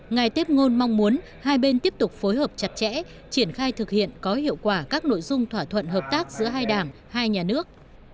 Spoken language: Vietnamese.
ngài tép ngôn mong muốn hai bên tiếp tục phối hợp chặt chẽ triển khai thực hiện có hiệu quả các nội dung thỏa thuận hợp tác giữa hai đảng hai nhà nước